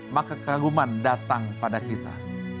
maka kekaguman datang pada kita